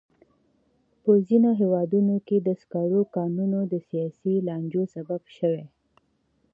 په ځینو هېوادونو کې د سکرو کانونه د سیاسي لانجو سبب شوي.